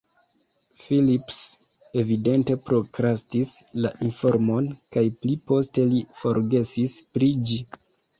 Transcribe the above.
Phillips evidente prokrastis la informon kaj pli poste li forgesis pri ĝi.